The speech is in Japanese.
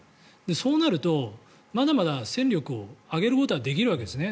そうなると、まだまだ戦力を上げることはできるわけですね。